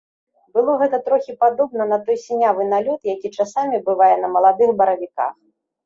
Было гэта трохі падобна на той сінявы налёт, які часамі бывае на маладых баравіках.